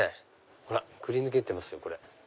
ほらくりぬけてますよ。